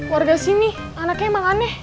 warga sini anaknya emang aneh